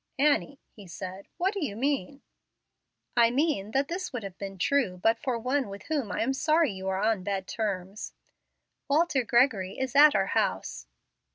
"Annie," he said, "what do you mean?" "I mean that this would have been true but for one with whom I am sorry you are on bad terms. Walter Gregory is at our house."